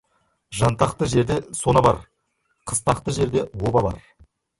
Жантақты жерде сона бар, қыстақты жерде оба бар.